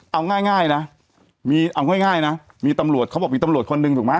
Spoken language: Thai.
เอาง่ายนะมีเอาง่ายนะมีตำรวจเขาบอกมีตำรวจคนหนึ่งถูกไหม